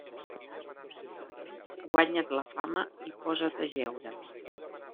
Guanya't la fama i posa't a jeure.